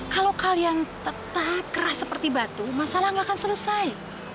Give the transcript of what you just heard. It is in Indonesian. kalau kalian tetap keras seperti batu masalah gak akan selesai